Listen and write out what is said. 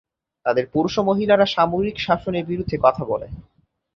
তাদের পুরুষ ও মহিলারা সামরিক শাসনের বিরুদ্ধে কথা বলে।